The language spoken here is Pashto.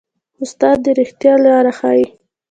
استاد د ریښتیا لاره ښيي.